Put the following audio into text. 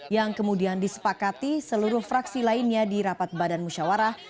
yang kemudian disepakati seluruh fraksi lainnya di rapat badan musyawarah